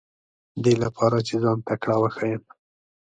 دې لپاره چې ځان تکړه وښیم.